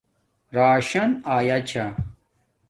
راشان ایا چھا